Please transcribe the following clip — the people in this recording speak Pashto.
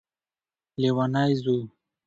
لیونی ځو